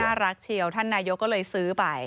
น่ารักเชียวท่านนายกก็เลยซื้อไป